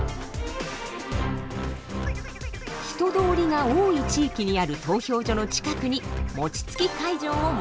人通りが多い地域にある投票所の近くにもちつき会場を設けます。